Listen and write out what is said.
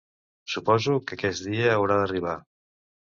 Suposo que aquest dia haurà d’arribar.